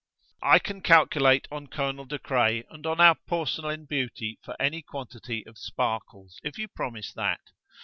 "I can calculate on Colonel De Craye and our porcelain beauty for any quantity of sparkles, if you promise that.